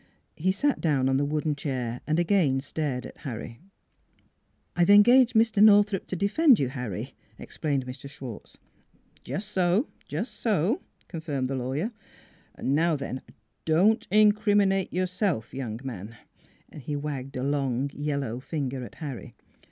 He sat down on the wooden chair and again stared at Harry. 3 i6 NEIGHBORS " I've engaged Mr. Northrup to defend you, Harry," explained Mr. Schwartz. " Just so, just so," confirmed the lawyer. " Now then, don't incriminate yourself, young man!" He wagged a long, yellow finger at Harry.